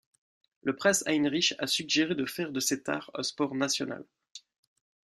Le prince Heinrich a suggéré de faire de cet art un sport national.